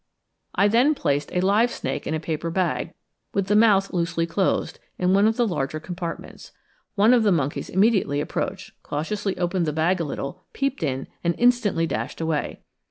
I then placed a live snake in a paper bag, with the mouth loosely closed, in one of the larger compartments. One of the monkeys immediately approached, cautiously opened the bag a little, peeped in, and instantly dashed away.